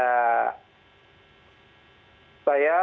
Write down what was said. saya untuk berikan kesempatan kepada saya untuk berikan kesempatan kepada saya